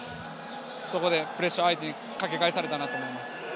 そこでプレッシャーを相手にかけ返されたと思います。